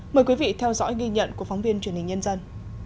mời quý vị theo dõi ghi nhận của phóng viên truyền hình nhân dân